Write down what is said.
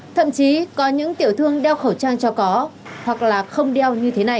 thậm chí có những tiểu thương đeo khẩu trang cho có hoặc là không đeo như thế này